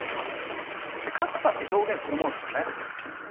格差って表現するものですもんね。